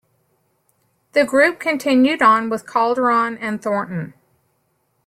The group continued on, with Calderon and Thornton.